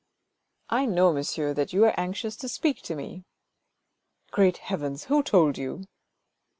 " I know, monsieur, that you are anxious to speak to me." " Great heavens ! who told you